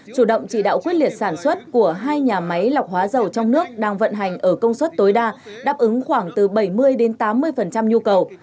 chủ động chỉ đạo quyết liệt sản xuất của hai nhà máy lọc hóa dầu trong nước đang vận hành ở công suất tối đa đáp ứng khoảng từ bảy mươi tám mươi nhu cầu